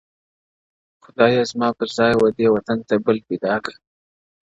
o خدايه زما پر ځای ودې وطن ته بل پيدا که،